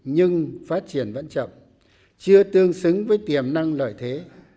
nhưng phát triển vẫn chậm chưa tương xứng với tiềm năng lợi thế